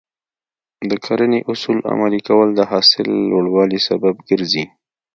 د کرنې اصول عملي کول د حاصل لوړوالي سبب کېږي.